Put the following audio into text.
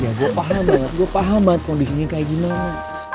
ya gue paham gue paham kondisinya kayak gimana